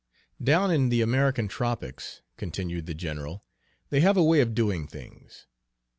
"Down in the American tropics," continued the general, "they have a way of doing things.